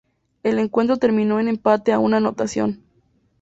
El encuentro terminó en empate a una anotación.